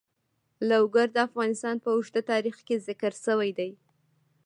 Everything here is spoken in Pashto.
لوگر د افغانستان په اوږده تاریخ کې ذکر شوی دی.